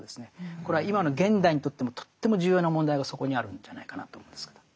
これは今の現代にとってもとっても重要な問題がそこにあるんじゃないかなと思うんですけど。